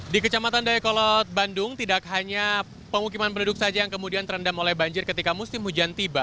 di kecamatan dayakolot bandung tidak hanya pemukiman penduduk saja yang kemudian terendam oleh banjir ketika musim hujan tiba